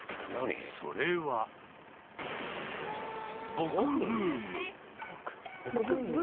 それは「ぼく」ブーム！